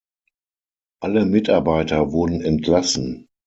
Alle Mitarbeiter wurden entlassen.